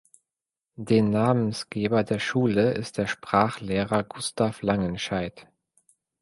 Den Namensgeber der Schule ist der Sprachlehrer Gustav Langenscheidt.